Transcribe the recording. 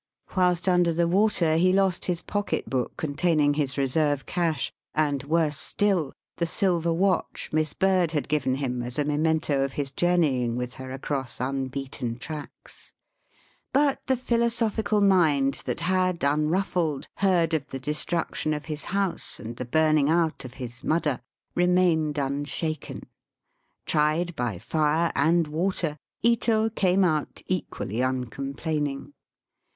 Whilst under the water he lost his pocket book Digitized by VjOOQIC 54 EAST BY WEST. containiiig his reserve cash, and, worse still, the silver watch Miss Bird had given him as a memento of his journeying with her across unbeaten tracks. But the philosophical mind that had, un ruffled, heard of the destruction of his house and the burning out of his ^^mudder," re mained unshaken. Tried by fire and water, Ito came out equally uncomplaining.